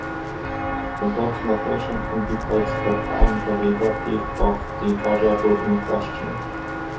The dot-notation indicates the time derivative of the variable in question.